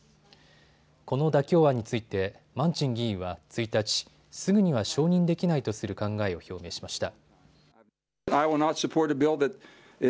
この妥協案についてマンチン議員は１日、すぐには承認できないとする考えを表明しました。